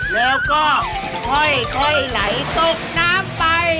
แล้วก็ค่อยไหลตกน้ำไป